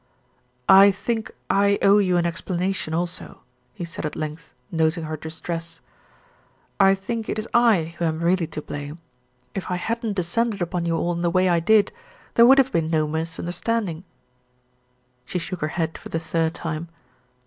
"I think I owe you an explanation also," he said at length, noting her distress. "I think it is I who am really to blame. If I hadn't descended upon you all in the way I did, there would have been no misunder standing." She shook her head for the third time.